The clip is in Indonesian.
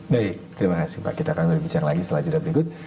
baik terima kasih pak kita akan berbicara lagi setelah jeda berikut